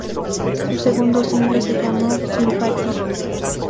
Su segundo single se llamó, Sympathy.